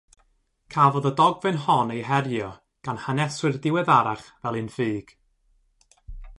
Cafodd y dogfen hon ei herio gan haneswyr diweddarach fel un ffug.